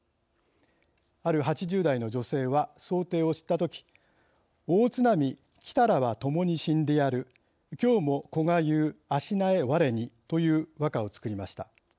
ある８０代の女性は想定を知ったとき「大津波、来たらば共に死んでやる今日も息が言う足萎え吾に」という和歌を作りました。